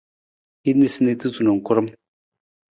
Hin niisaniisatu na karam.